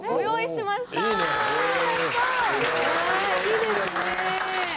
いいですね。